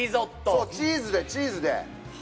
そうチーズでチーズで。